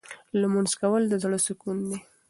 لمونځ کول د زړه سکون دی.